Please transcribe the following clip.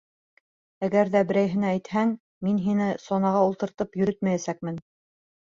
Әгәр ҙә берәйһенә әйтһәң, мин һине санаға ултыртып йөрөтмәйәсәкмен.